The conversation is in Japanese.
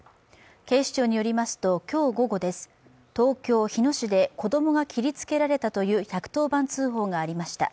警視庁によりますと今日午後、東京・日野市で子供が切りつけられたという１１０番通報がありました。